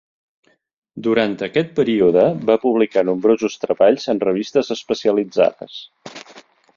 Durant aquest període va publicar nombrosos treballs en revistes especialitzades.